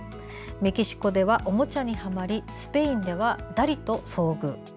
メキシコではおもちゃにハマりスペインではダリと遭遇。